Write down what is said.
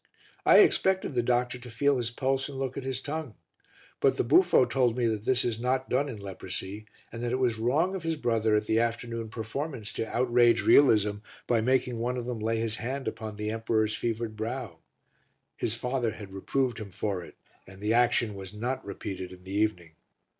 I expected the doctor to feel his pulse and look at his tongue, but the buffo told me that this is not done in leprosy and that it was wrong of his brother at the afternoon performance to outrage realism by making one of them lay his hand upon the emperor's fevered brow; his father had reproved him for it and the action was not repeated in the evening.